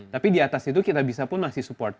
tapi di atas itu kita bisa pun ngasih support